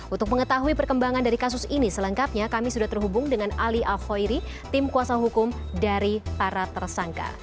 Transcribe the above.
untuk mengetahui perkembangan dari kasus ini selengkapnya kami sudah terhubung dengan ali al khoiri tim kuasa hukum dari para tersangka